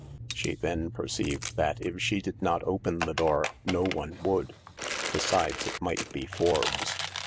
She then perceived that if she did not open the door no one would. Besides, it might be Forbes.